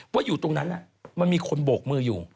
ว่าอยู่ตรงนั้นมันมีคนโบกมืออยู่